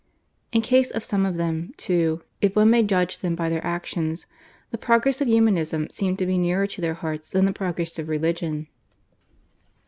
In case of some of them, too, if one may judge them by their actions, the progress of Humanism seemed to be nearer to their hearts than the progress of religion.